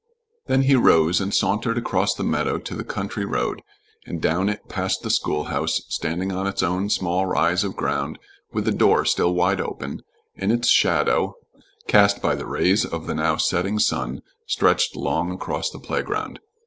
Then he rose, and sauntered across the meadow to the country road, and down it past the schoolhouse standing on its own small rise of ground with the door still wide open, and its shadow, cast by the rays of the now setting sun stretched long across the playground.